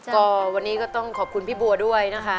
ก็วันนี้ก็ต้องขอบคุณพี่บัวด้วยนะคะ